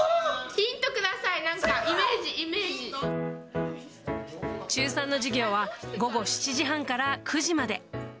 ヒントください、なんか、イメー中３の授業は午後７時半から９時まで。